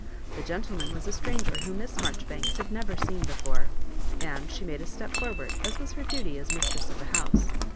The gentleman was a stranger whom Miss Marjori banks had never seen before, and she made a step fotward, as was her duty as mistress of the house.